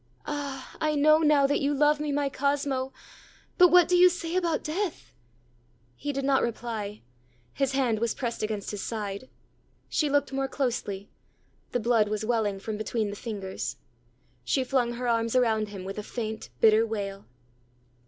ã ãAh, I know now that you love me, my Cosmo; but what do you say about death?ã He did not reply. His hand was pressed against his side. She looked more closely: the blood was welling from between the fingers. She flung her arms around him with a faint bitter wail.